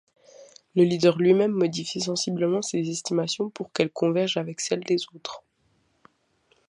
Le leader lui-même modifie sensiblement ses estimations pour qu'elles convergent avec celles des autres.